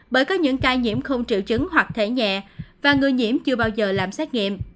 bởi có những ca nhiễm không triệu chứng hoặc thể nhẹ và người nhiễm chưa bao giờ làm xét nghiệm